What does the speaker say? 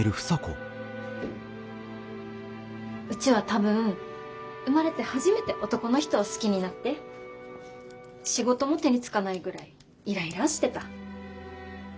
うちは多分生まれて初めて男の人を好きになって仕事も手につかないぐらいいらいらーしてた。